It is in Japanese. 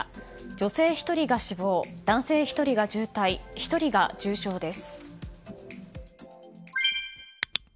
女性１人が死亡男性１人が重体１人が重傷です。